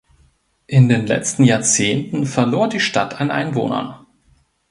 In den letzten Jahrzehnten verlor die Stadt an Einwohnern.